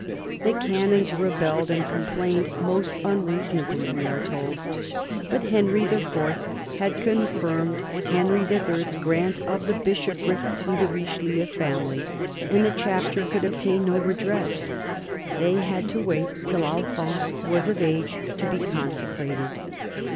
The canons rebelled and complained most un reasonably, we are told; but Henry IV. had confirmed Henry III.'s grant of the bishopric to the Richelieu family, and the Chapter could obtain no redress. They had to wait till Alphonse was of age to be consecrated.